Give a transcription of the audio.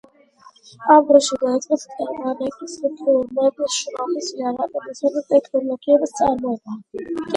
ამ დროს დაიწყეს კერამიკის ფორმების, შრომის იარაღების და ტექნოლოგიების წარმოება.